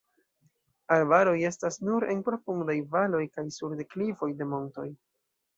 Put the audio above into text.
Arbaroj estas nur en profundaj valoj kaj sur deklivoj de montoj.